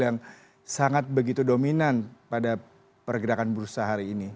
yang sangat begitu dominan pada pergerakan bursa hari ini